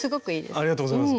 ありがとうございます。